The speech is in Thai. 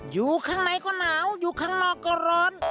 อยู่ข้างในก็หนาวอยู่ข้างนอกก็ร้อน